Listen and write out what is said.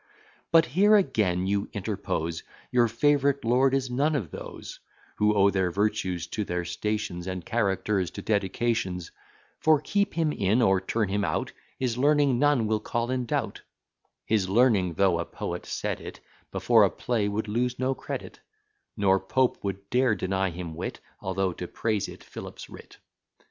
But here again you interpose Your favourite lord is none of those Who owe their virtues to their stations, And characters to dedications: For, keep him in, or turn him out, His learning none will call in doubt; His learning, though a poet said it Before a play, would lose no credit; Nor Pope would dare deny him wit, Although to praise it Philips writ.